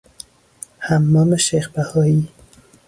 حمام شیخ بهایی